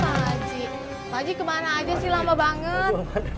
pak haji pak haji kemana aja sih lama banget